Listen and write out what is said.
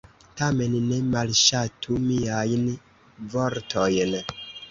Tamen, ne malŝatu miajn vortojn.